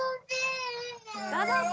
どうぞ。